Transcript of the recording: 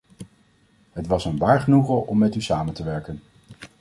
Het was een waar genoegen om met u samen te werken.